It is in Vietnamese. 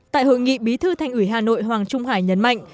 tại hội nghị bí thư thành ủy hà nội hoàng trung hải nhấn mạnh